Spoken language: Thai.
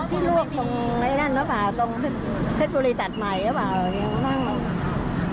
ที่รวกในตรงนี้นะครับพรุ่งเพชรปุรีตัดใหม่